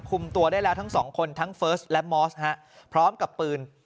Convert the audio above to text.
ตัวได้แล้วทั้งสองคนทั้งเฟิร์สและมอสฮะพร้อมกับปืน